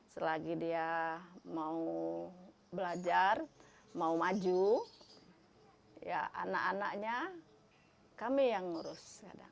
selagi dia mau belajar mau maju ya anak anaknya kami yang ngurus